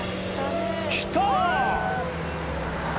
来た！